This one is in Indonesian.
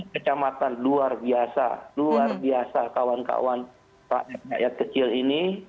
kecamatan luar biasa luar biasa kawan kawan rakyat rakyat kecil ini